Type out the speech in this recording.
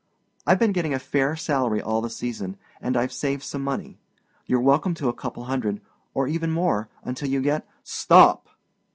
I've been getting a fair salary all the season, and I've saved some money. You're welcome to a couple hundred—or even more—until you get——" "Stop!"